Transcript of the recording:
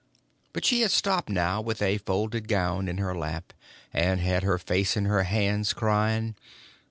But she had stopped now with a folded gown in her lap, and had her face in her hands, crying.